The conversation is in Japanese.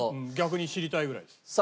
逆に知りたいぐらいです。